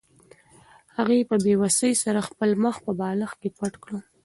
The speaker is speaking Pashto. هغې په بې وسۍ سره خپل مخ په بالښت کې پټ کړ.